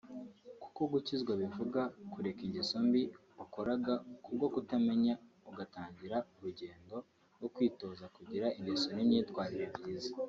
Kuko gukizwa bivuga kureka ingeso mbi wakoraga kubwo kutamenya ugatangira urugendo rwo kwitoza kugira ingeso n’imyitware byiza